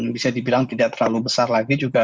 bisa dibilang tidak terlalu besar lagi juga